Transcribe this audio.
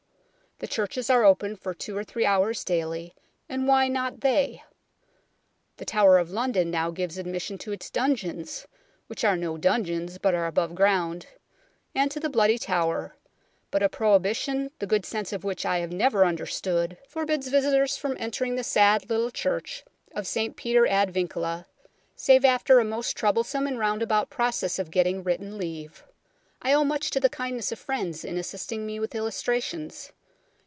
The churches are open for two or three hours daily, and why not they ? The Tower of London now gives admission to its dungeons which are no dungeons, but are above ground and to the Bloody Tower, but a prohibition, the good sense of which I have never understood, forbids visitors from entering viii UNKNOWN LONDON the sad little church of St Peter ad Vincula, save after a most troublesome and roundabout process of getting written leave. I owe much to the kindness of friends in assisting me with illustrations.